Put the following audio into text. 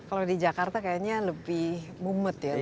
kalau di jakarta kayaknya lebih mumet ya